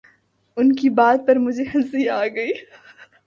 ان کی بات پر مجھے ہنسی آ گئی